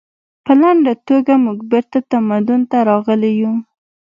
په لنډه توګه موږ بیرته تمدن ته راغلي یو